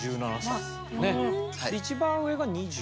で一番上が２０。